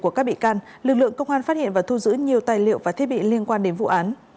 của các bị can lực lượng công an phát hiện và thu giữ nhiều tài liệu và thiết bị liên quan đến vụ án